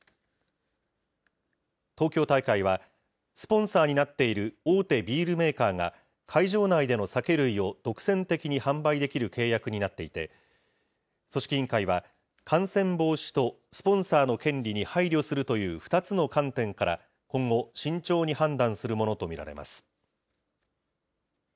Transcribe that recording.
東京大会は、スポンサーになっている大手ビールメーカーが、会場内での酒類を独占的に販売できる契約になっていて、組織委員会は、感染防止とスポンサーの権利に配慮するという２つの観点から、今後、慎重に判断するものと見られます。